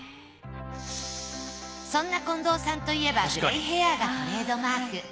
そんな近藤さんといえばグレイヘアがトレードマーク。